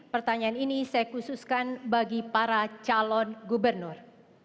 pertanyaan ini saya khususkan bagi para calon gubernur